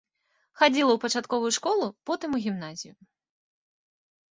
Хадзіла ў пачатковую школу, потым у гімназію.